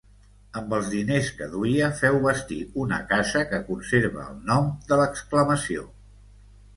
Amb els diners que duia féu bastir una casa que conserva el nom de l'exclamació.